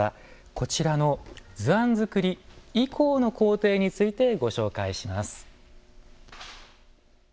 こちらの図案作り以降の工程についてご紹介します。